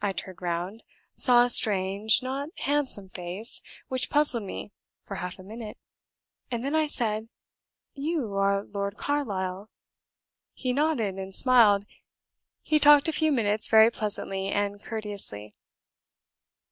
I turned round saw a strange, not handsome, face, which puzzled me for half a minute, and then I said, 'You are Lord Carlisle.' He nodded and smiled; he talked a few minutes very pleasantly and courteously.